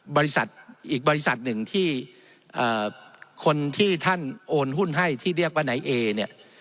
บริษัทอีกบริษัทหนึ่งที่คนที่ท่านโอนหุ้นให้ที่เรียกว่านายเอเนี่ย